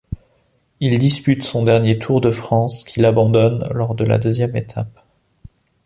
Il dispute son dernier Tour de France, qu'il abandonne lors de la deuxième étape.